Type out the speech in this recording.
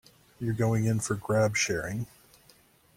You're going in for grab sharing.